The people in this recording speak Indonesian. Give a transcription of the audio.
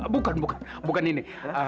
bukan bukan bukan ini